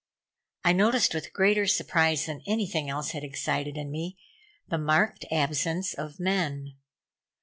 I noticed with greater surprise than anything else had excited in me, the marked absence of men.